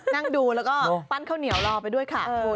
นั่งดูแล้วก็ปั้นข้าวเหนียวรอไปด้วยค่ะคุณ